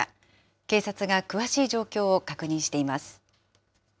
警察が詳しい状況を確認しています。